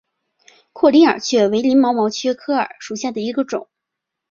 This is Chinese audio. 阔鳞耳蕨为鳞毛蕨科耳蕨属下的一个种。